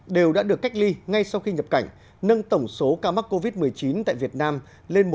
đều đã được cách ly ngay sau khi nhập cảnh nâng tổng số ca mắc covid một mươi chín tại việt nam lên một ba trăm tám mươi năm ca